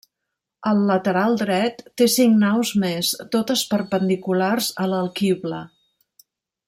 Al lateral dret, té cinc naus més, totes perpendiculars a l'alquibla.